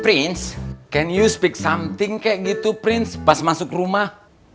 prince can use peak something kayak gitu prince pas masuk rumah